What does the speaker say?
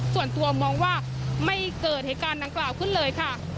ส่วนตัวมองว่าไม่เกิดเหตุการณ์ดังกล่าวขึ้นเลยค่ะ